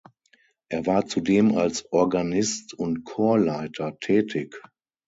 Er war zudem als Organist und Chorleiter tätig.